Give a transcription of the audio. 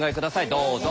どうぞ。